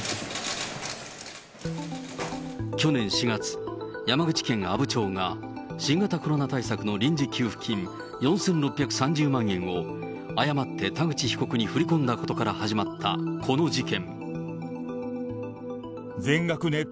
去年４月、山口県阿武町が新型コロナ対策の臨時給付金４６３０万円を誤って田口被告に振り込んだことから始まったこの事件。